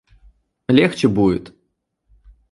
Легче будет.